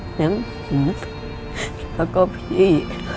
เหล็กหนูแล้วก็พี่